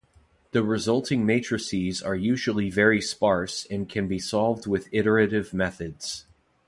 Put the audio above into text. The resulting matrices are usually very sparse and can be solved with iterative methods.